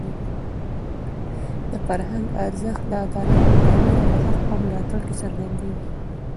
د فرهنګ ارزښت د عدالت په تامین او د حق په ملاتړ کې څرګندېږي.